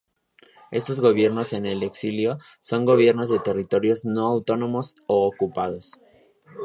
Estos gobiernos en el exilio son gobiernos de territorios no autónomos o ocupados.